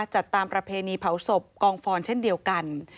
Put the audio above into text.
จัดตามประเพณีเผาศพกองฟอนเช่นเดียวกัน